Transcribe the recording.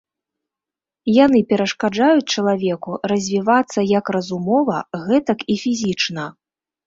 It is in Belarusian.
Яны перашкаджаюць чалавеку развівацца як разумова, гэтак і фізічна.